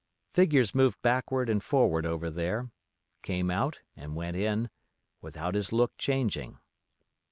Figures moved backward and forward over there, came out and went in, without his look changing.